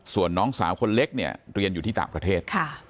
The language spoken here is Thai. ส่วนน้องสาวคนเล็กเนี่ยเรียนอยู่ที่ต่างประเทศ